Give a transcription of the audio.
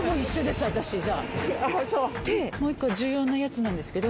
でもう１個重要なやつなんですけど。